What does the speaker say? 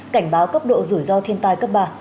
cảnh báo cấp độ rủi ro thiên tai cấp ba